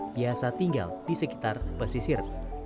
biasa tinggal di sekitar pesisir